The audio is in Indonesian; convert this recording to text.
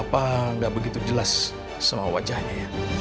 bapak enggak begitu jelas sama wajahnya